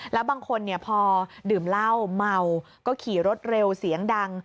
แล้วบางคนพอดื่มเหล้าเมาก็ขี่รถเร็วเสียงดัง